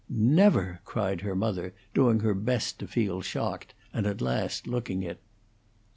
"Never!" cried her mother, doing her best to feel shocked; and at last looking it.